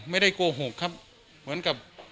ไม่ได้โกหกครับเหมือนกับ